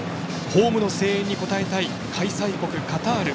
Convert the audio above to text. ホームの声援に応えたい開催国カタール。